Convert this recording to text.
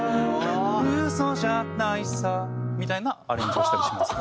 「嘘じゃないさ」みたいなアレンジをしたりします。